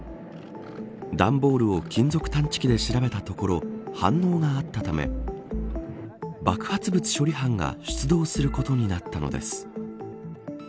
段ボールを金属探知機で調べたところ反応があったため爆発物処理班が出動することになったのです。